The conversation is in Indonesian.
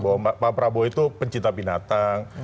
bahwa pak prabowo itu pencinta binatang